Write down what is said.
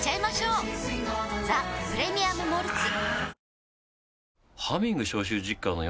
「ザ・プレミアム・モルツ」